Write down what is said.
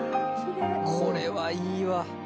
これはいいわ。